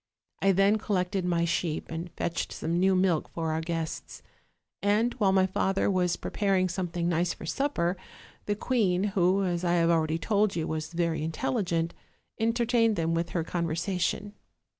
I then collected my sheep, and fetched some new milk for our guests; and, while my father was preparing something nice for supper, the queen, who, as I have already told you, was very intelligent, entertained them with her conversation.